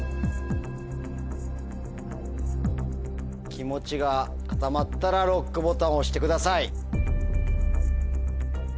気持ちが固まったらＬＯＣＫボタンを押してください。